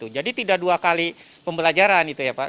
jadi tidak dua kali pembelajaran